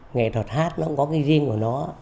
nghệ thuật hát nó cũng có cái gen của nó